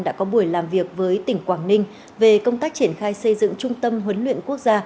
đã có buổi làm việc với tỉnh quảng ninh về công tác triển khai xây dựng trung tâm huấn luyện quốc gia